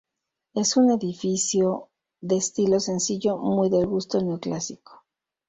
Es un edificio de estilo sencillo, muy del gusto neoclásico.